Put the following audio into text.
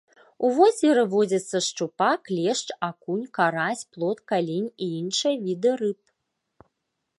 У возеры водзяцца шчупак, лешч, акунь, карась, плотка, лінь і іншыя віды рыб.